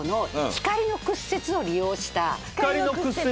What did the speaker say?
光の屈折。